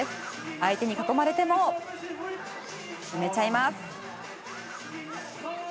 相手に囲まれても決めちゃいます。